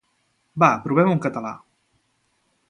Va, provem-ho en català!